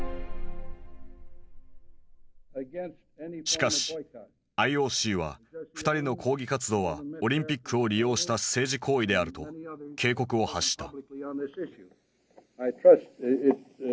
しかしＩＯＣは２人の抗議活動はオリンピックを利用した政治行為であると警告を発した。